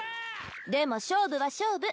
でも勝負は勝負。